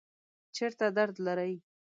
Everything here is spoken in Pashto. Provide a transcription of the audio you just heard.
چیرته درد لرئ؟